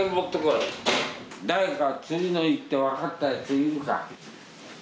誰か次の一手分かったやついるか？